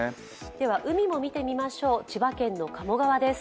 では、海も見てみましょう、千葉県の鴨川です。